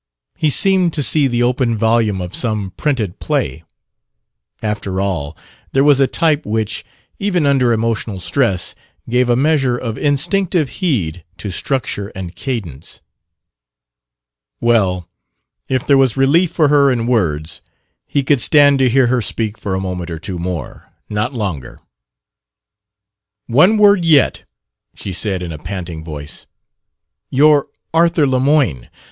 He seemed to see the open volume of some "printed play." After all, there was a type which, even under emotional stress, gave a measure of instinctive heed to structure and cadence. Well, if there was relief for her in words, he could stand to hear her speak for a moment or two more, not longer. "One word yet," she said in a panting voice. "Your Arthur Lemoyne.